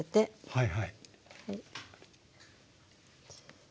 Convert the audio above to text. はい。